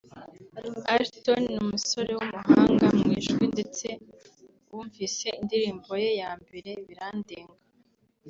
Alton ni umusore w'umuhanga mu ijwi ndetse wumvise indirimbo ye ya mbere 'Birandenga'